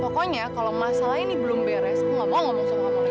pokoknya kalau masalah ini belum beres aku gak mau ngomong sama dia